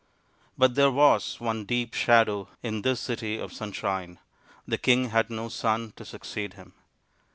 But there was one deep shadow in this city of sunshine. The king had no son to succeed him.